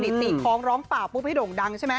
สี่คล้องร้องเปล่าปุ๊บให้โด่งดังใช่ไหม